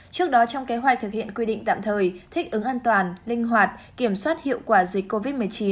trước đó trong kế hoạch thực hiện quy định tạm thời thích ứng an toàn linh hoạt kiểm soát hiệu quả dịch covid một mươi chín